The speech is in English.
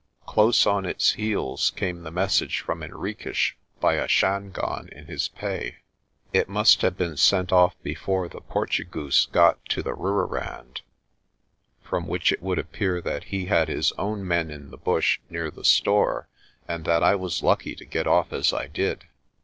Close on its heels came the message from Henriques by a Shangaan in his pay. It must have been sent off before the Portugoose got to the Rooirand, from which it would appear that he had his own men in the bush near the store and that I was lucky to get off as I did.